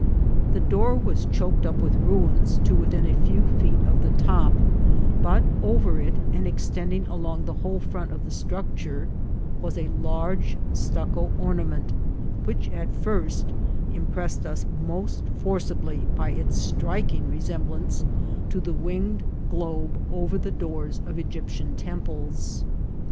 The door was choked up with ruins to within a few feet of the top, but over it, and extending along the whole front of the structure, was a large stucco or nament, which at first impressed us most forcibly by its striking resemblance to the winged globe over the doors of Egyptian temples.